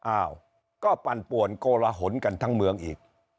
อ้าวก็ปั่นป่วนโกลหนกันทั้งเมืองอีก